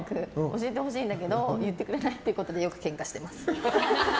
教えてほしいんだけど言ってくれないからよくケンカしてます。